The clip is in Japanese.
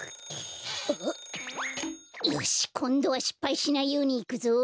よしこんどはしっぱいしないようにいくぞ！